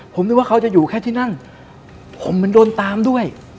ผมนึกว่าเขาจะอยู่แค่ที่นั่นผมเหมือนโดนตามด้วย